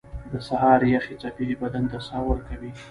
• د سهار یخې څپې بدن ته ساه ورکوي.